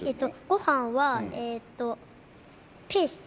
ごはんはえっとペーしてる。